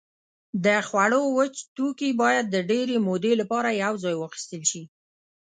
د خوړو وچ توکي باید د ډېرې مودې لپاره یوځای واخیستل شي.